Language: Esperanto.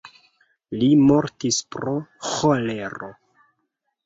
Li mortis pro ĥolero.